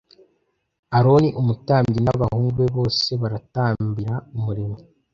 Aroni umutambyi n abahungu be bose baratambira umuremyi